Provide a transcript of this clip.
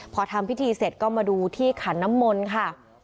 พอทำพิธีเสร็จก็มาดูที่ขันน้ำมนต์ค่ะ